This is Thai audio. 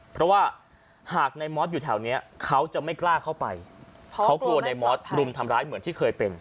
เพราะว่าหากในมอสอยู่แถวนี้เขาจะไม่กล้าเข้าไปเพราะกลัวในมอสรุมทำร้ายเหมือนที่เคยเป็น